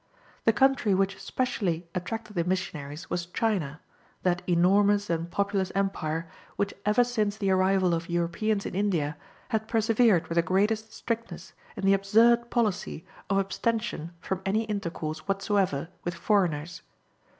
The country which especially attracted the missionaries was China, that enormous and populous empire, which ever since the arrival of Europeans in India, had persevered with the greatest strictness in the absurd policy of abstention from any intercourse whatsoever with foreigners.